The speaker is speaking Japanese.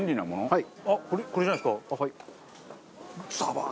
はい。